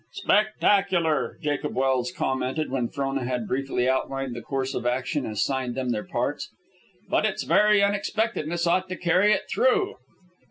"Spectacular," Jacob Welse commented, when Frona had briefly outlined the course of action and assigned them their parts. "But its very unexpectedness ought to carry it through."